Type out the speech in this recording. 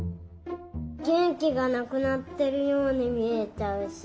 げんきがなくなってるようにみえちゃうし。